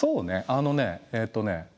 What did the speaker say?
あのねえっとね